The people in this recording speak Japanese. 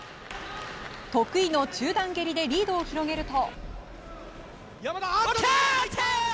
得意の中断蹴りでリードを広げると。